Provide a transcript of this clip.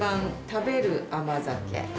食べる甘酒？